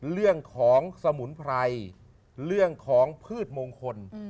เรื่องของสมุนไพรเรื่องของพืชมงคล